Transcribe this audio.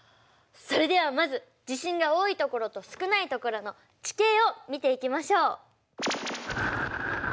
それではまず地震が多いところと少ないところの地形を見ていきましょう。